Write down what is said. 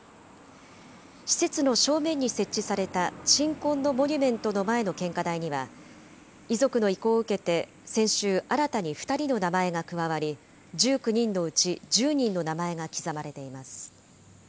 施設の正面に設置された鎮魂のモニュメントの前の献花台には、遺族の意向を受けて先週、新たに２人の名前が加わり、１９人のうち１０人の名前が刻まれています。